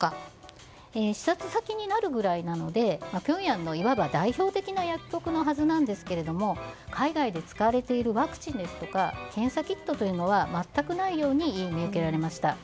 視察先になるぐらいなのでピョンヤンのいわば代表的な薬局のはずなんですけど海外で使われているワクチンですとか検査キットというのは全くないように見受けられました。